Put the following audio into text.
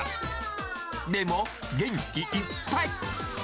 でも元気いっぱい。